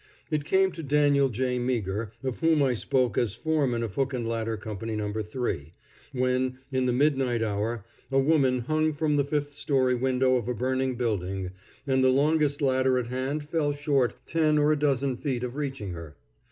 It came to Daniel J. Meagher, of whom I spoke as foreman of Hook and Ladder Company No. 3, when, in the midnight hour, a woman hung from the fifth story window of a burning building, and the longest ladder at hand fell short ten or a dozen feet of reaching her.